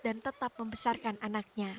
dan tetap membesarkan anaknya